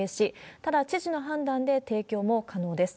ただ、知事の判断で提供も可能です。